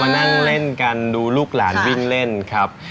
นั่งเล่นกันดูลูกหลานวิ่งเล่นครับ